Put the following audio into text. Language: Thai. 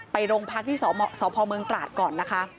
โรงพักที่สพเมืองตราดก่อนนะคะ